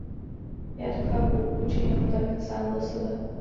Jak to chápu, učinil tak sám za sebe.